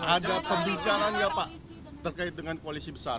ada pembicaraan ya pak terkait dengan koalisi besar